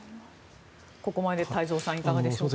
ここまで太蔵さんいかがでしょうか。